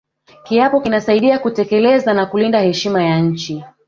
kiapo kinasaidia kutekeleza na kulinda heshima ya nchi